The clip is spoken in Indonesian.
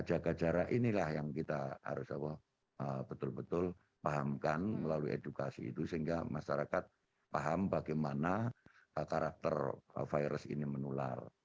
jaga jarak inilah yang kita harus betul betul pahamkan melalui edukasi itu sehingga masyarakat paham bagaimana karakter virus ini menular